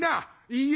「いいえ。